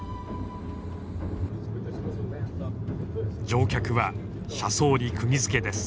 乗客は車窓にくぎづけです。